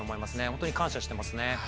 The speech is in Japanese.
本当に感謝していますね。